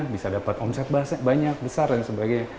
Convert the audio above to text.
bisa dapat omset banyak besar dan sebagainya